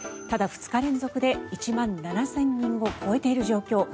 ただ、２日連続で１万７０００人を超えている状況。